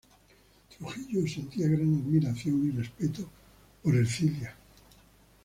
Trujillo sentía gran admiración y respecto por Ercilia.